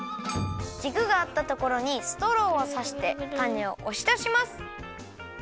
じくがあったところにストローをさしてたねをおしだします。